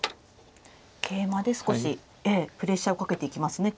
ケイマで少しプレッシャーをかけていきますね